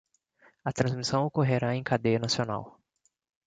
A transmissão ocorrerá em cadeia nacional